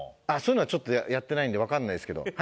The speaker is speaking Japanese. あっそういうのはちょっとやってないのでわかんないですけど。